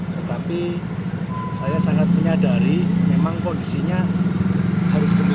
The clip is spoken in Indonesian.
tetapi saya sangat menyadari memang kondisinya harus kembali